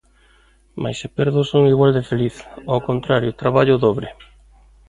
Mais se perdo son igual de feliz, ao contrario: traballo o dobre.